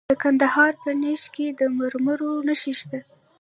د کندهار په نیش کې د مرمرو نښې شته.